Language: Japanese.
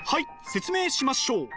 説明しましょう。